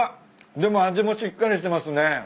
でも味もしっかりしてますね。